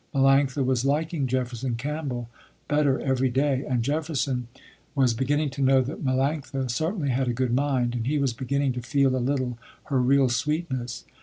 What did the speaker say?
Melanctha was liking Jefferson Campbell better every day, and Jefferson was beginning to know that Melanctha certainly had a good mind, and he was beginning to feel a little her real sweetness.